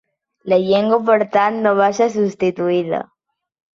La llengua, per tant, no va ser substituïda.